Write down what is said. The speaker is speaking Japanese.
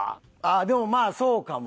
でもまあそうかも。